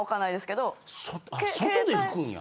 あ外で拭くんや。